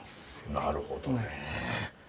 なるほどね。